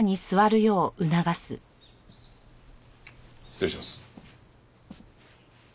失礼します。